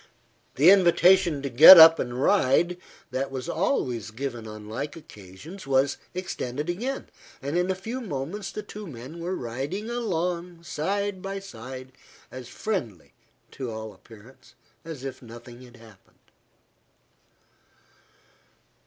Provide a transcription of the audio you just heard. The invitation to get up and ride, that was always given on like occasions, was extended again, and in a few moments the two men were riding along, side by side, as friendly, to all appearance, as if nothing had happened.